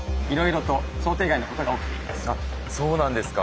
そうなんですか。